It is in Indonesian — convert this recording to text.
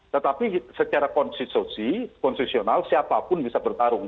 tetapi secara konstitusional siapapun bisa bertarung